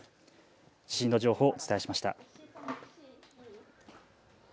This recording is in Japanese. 地震の情報をお伝えしました。